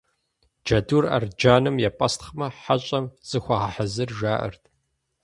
Джэдур арджэным епӀэстхъмэ, хьэщӀэм зыхуэгъэхьэзыр жаӏэрт.